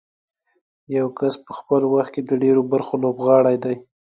یو کس په خپل وخت کې د ډېرو برخو لوبغاړی دی.